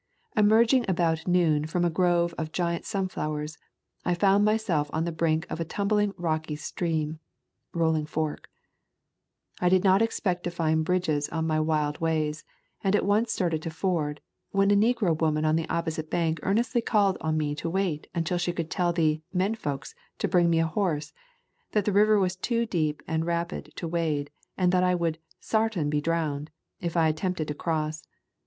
Emerging about noon from a grove of giant sunflowers, I found myself on the brink of a tumbling rocky stream [Rolling Fork]. I did not expect to find bridges on my wild ways, and at once started to ford, when a negro woman on the opposite bank earnestly called on me to wait until she could tell the "men folks" to bring me a horse — that the river was too deep and rapid to wade and that I would "sartain be drowned" if I attempted to cross.